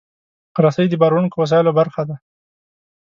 رسۍ د باروړونکو وسایلو برخه ده.